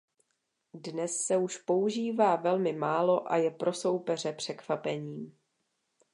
Dnes se už používá velmi málo a je pro soupeře překvapením.